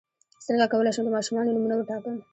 څنګه کولی شم د ماشومانو نومونه وټاکم